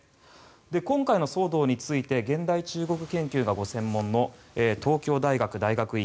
今回の騒動について現代中国研究がご専門の東京大学大学院